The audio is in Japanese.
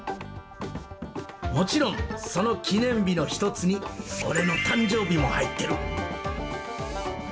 もちろん、その記念日の一つに、俺の誕生日も入ってる。